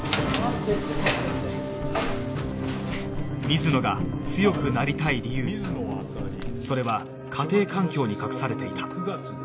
水野が強くなりたい理由それは家庭環境に隠されていた